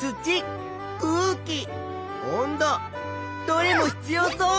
どれも必要そう！